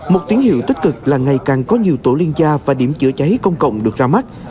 một tín hiệu tích cực là ngày càng có nhiều tổ liên gia và điểm chữa cháy công cộng được ra mắt